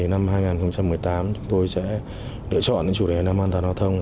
năm hai nghìn một mươi tám chúng tôi sẽ lựa chọn đến chủ đề năm an toàn đa thông